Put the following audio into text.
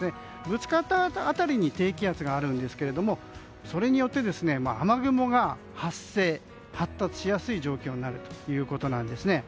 ぶつかった辺りに低気圧があるんですがそれによって、雨雲が発生発達しやすい状況になるということです。